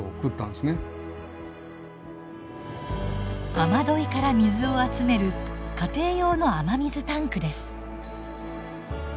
雨どいから水を集める家庭用の雨水タンクです。